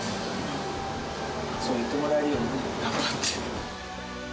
そう言ってもらえるように頑張っていきたい。